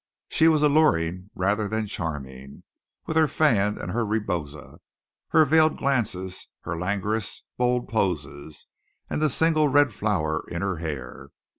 She was alluring rather than charming, with her fan and her rebosa, her veiled glances, her languorous, bold poses, and the single red flower in her hair.